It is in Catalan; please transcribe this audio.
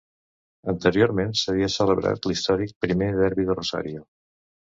Anteriorment, s'havia celebrat l'històric primer derbi de Rosario.